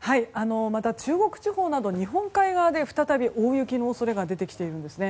また中国地方など日本海側で再び大雪の恐れが出てきているんですね。